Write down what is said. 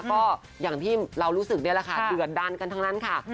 ก็อย่างที่เรารู้สึกนี่แหละค่ะเดือดดันกันทั้งนั้นค่ะ